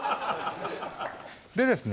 でですね